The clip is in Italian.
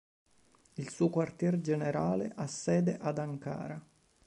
Il suo quartier generale ha sede ad Ankara.